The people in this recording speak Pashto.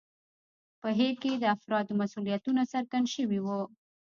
په هیر کې د افرادو مسوولیتونه څرګند شوي وو.